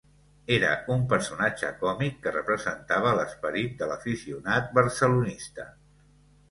Era un personatge còmic que representava l'esperit de l'aficionat barcelonista.